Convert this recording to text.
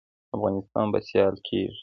افغانستان به سیال کیږي؟